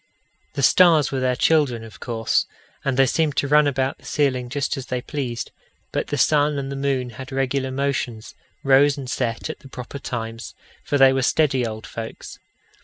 The stars were their children, of course, and they seemed to run about the ceiling just as they pleased; but the sun and the moon had regular motions rose and set at the proper times, for they were steady old folks.